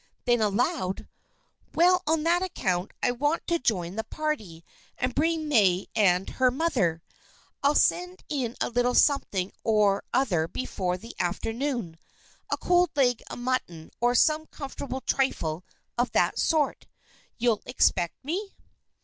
Then aloud: "Well, on that account I want to join the party, and bring May and her mother. I'll send in a little something or other before the afternoon a cold leg of mutton, or some comfortable trifle of that sort. You'll expect me?"